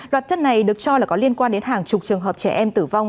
loạt chất này được cho là có liên quan đến hàng chục trường hợp trẻ em tử vong